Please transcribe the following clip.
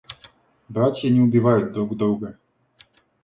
Братья не убивают друг друга.